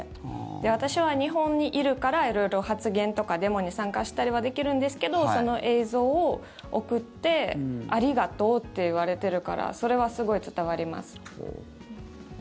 私は日本にいるから色々、発言とかデモに参加したりはできるんですけどその映像を送ってありがとうって言われているからそれはすごい伝わります。